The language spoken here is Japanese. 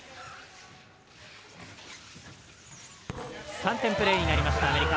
３点プレーになった、アメリカ。